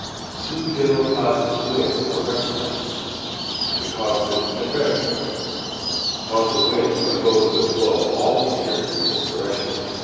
Two general classes of winds are recognized: the constant, and variable. Constant winds are those that blow all the year in the same direction.